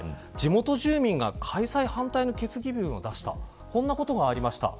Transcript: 地元住民が開催反対の決議文を出したことがありました。